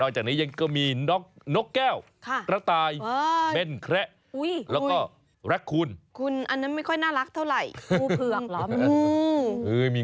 ใช่ต่อจากนี้ยังก็มี